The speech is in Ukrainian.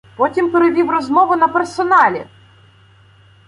Потім перевів розмову на персоналі!.